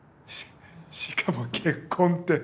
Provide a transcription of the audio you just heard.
しかも結婚って。